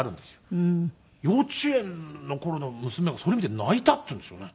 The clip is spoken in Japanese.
幼稚園の頃の娘が「それを見て泣いた」って言うんですよね。